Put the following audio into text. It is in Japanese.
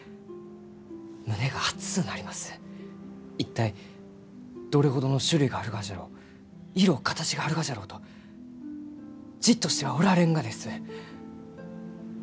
一体どれほどの種類があるがじゃろう色形があるがじゃろうとじっとしてはおられんがです！